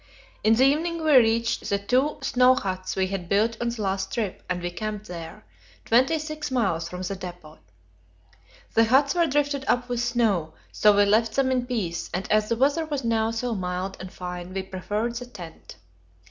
In the evening we reached the two snow huts we had built on the last trip, and we camped there, twenty six miles from the depot. The huts were drifted up with snow, so we left them in peace, and as the weather was now so mild and fine, we preferred the tent.